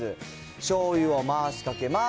しょうゆを回しかけます。